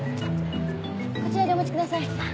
こちらでお待ちください。